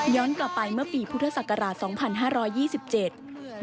ย้อนกลับไปเมื่อปีพุทธศักราช๒๕๒๗